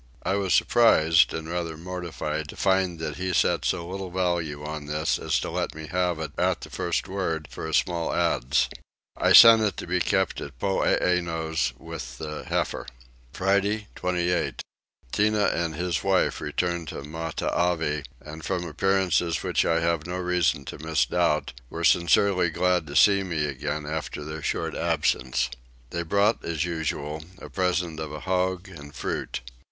I was surprised and rather mortified to find that he set so little value on this as to let me have it, at the first word, for a small adze. I sent it to be kept at Poeeno's with the heifer. Friday 28. Tinah and his wife returned to Matavai and, from appearances which I have no reason to mistrust, were sincerely glad to see me again after their short absence. They brought as usual a present of a hog and fruit.